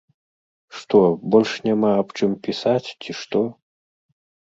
Што, больш няма аб чым пісаць, ці што?